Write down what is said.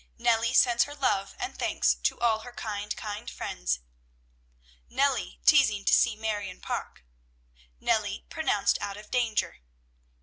"Nellie sends her love and thanks to all her kind, kind friends." "Nellie teasing to see Marion Parke." "Nellie pronounced out of danger."